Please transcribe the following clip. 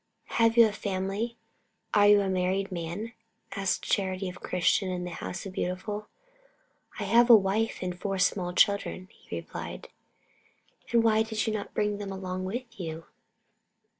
"Have you a family? Are you a married man?" asked Charity of Christian in the House Beautiful. "I have a wife and four small children," he replied. "And why did you not bring them along with you?"